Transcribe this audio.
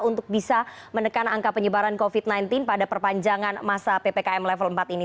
untuk bisa menekan angka penyebaran covid sembilan belas pada perpanjangan masa ppkm level empat ini